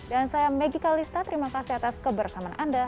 dan saya megi kalista terima kasih atas kebersamaan anda